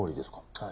はい。